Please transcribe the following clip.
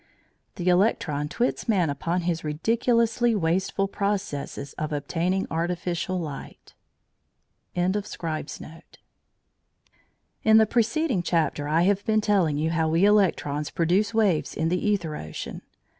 The electron twits man upon his ridiculously wasteful processes of obtaining artificial light. CHAPTER XIV HOW WE PRODUCE COLOUR In the preceding chapter I have been telling you how we electrons produce waves in the æther ocean.